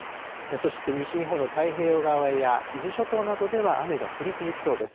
そして西日本の太平洋側や、伊豆諸島などでは雨が降り続きそうです。